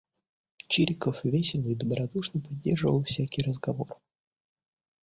Чириков весело и добродушно поддерживал всякий разговор.